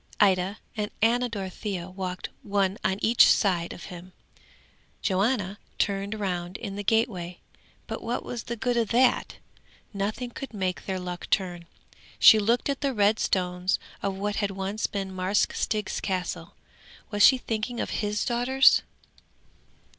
'Ida and Ana Dorothea walked one on each side of him: Johanna turned round in the gateway, but what was the good of that? nothing could make their luck turn. She looked at the red stones of what had once been Marsk Stig's Castle. Was she thinking of his daughters?